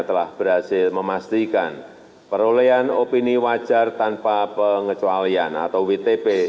telah berhasil memastikan perolehan opini wajar tanpa pengecualian atau wtp